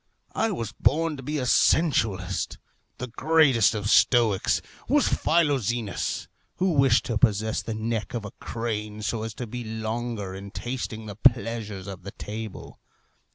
I was born to be a sensualist. The greatest of stoics was Philoxenus, who wished to possess the neck of a crane, so as to be longer in tasting the pleasures of the table.